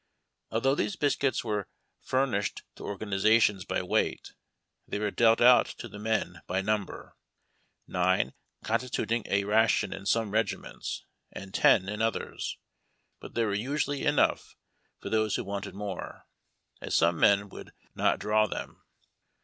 Although these biscuits were furnished to organizations by weight, they were dealt out to the men by number, nine constituting a ration in some regiments, and ten in others ; but tliere were usually enough for those who wanted more, as some men would not draw them.